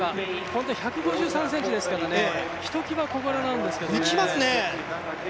本当に１５３ｃｍですからひときわ、小柄なんですけど。